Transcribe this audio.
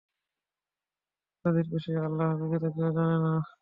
তাদের বিষয় আল্লাহ ব্যতীত কেউ জানে না।